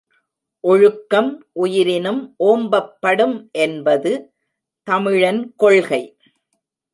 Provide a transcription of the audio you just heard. ஒழுக்கம் உயிரினும் ஓம்பப்படும் என்பது தமிழன் கொள்கை.